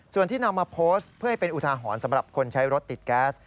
ส่วนที่นำมาโพสต์เพื่อให้เป็นอุทาหรณ์สำหรับคนใช้รถติดแก๊ส